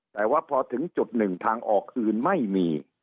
แต่ว่าพอถึงจุดหนึ่งทางออกคืนไม่มี